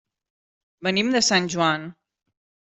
Venim de Sant Joan.